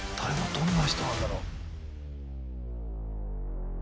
どんな人なんだろう。